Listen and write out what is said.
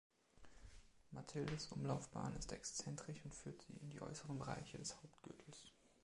Mathildes Umlaufbahn ist exzentrisch und führt sie in die äußeren Bereiche des Hauptgürtels.